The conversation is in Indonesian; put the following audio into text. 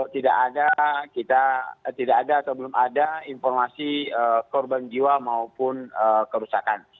tidak ada atau belum ada informasi korban jiwa maupun kerusakan